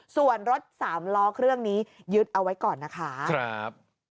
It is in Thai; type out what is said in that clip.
ส่วนรถสามล้อเครื่องนี้ยึดเอาไว้ก่อนนะคะครับ